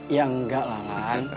ya enggak lah lan